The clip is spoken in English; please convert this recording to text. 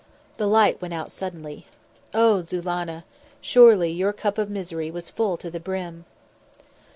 The light went out suddenly. Oh, Zulannah! surely your cap of misery was full to the brim!